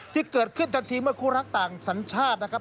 ที่เกิดขึ้นทันทีเมื่อคู่รักต่างสัญชาตินะครับ